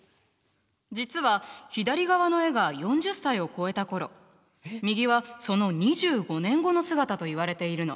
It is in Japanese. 実は左側の絵が４０歳を越えた頃右はその２５年後の姿といわれているの。